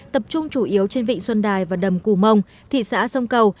tập trung chủ yếu trên vịnh xuân đài và đầm cù mông thị xã sông cầu